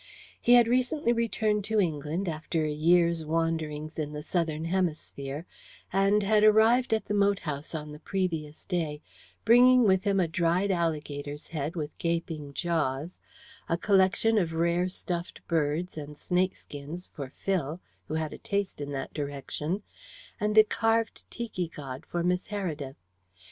He had recently returned to England after a year's wanderings in the southern hemisphere, and had arrived at the moat house on the previous day, bringing with him a dried alligator's head with gaping jaws, a collection of rare stuffed birds and snakeskins for Phil, who had a taste in that direction, and a carved tiki god for Miss Heredith.